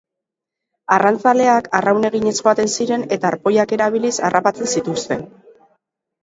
Arrantzaleak arraun eginez joaten ziren eta arpoiak erabiliz harrapatzen zituzten.